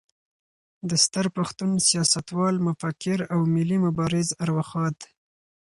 د ستر پښتون، سیاستوال، مفکر او ملي مبارز ارواښاد